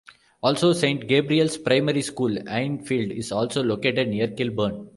Also, "Saint Gabriel's Primary School", Enfield is also located near Kilburn.